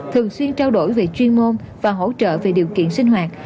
thường xuyên trao đổi về chuyên môn và hỗ trợ về điều kiện sinh hoạt